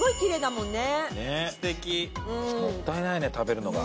もったいないね食べるのが。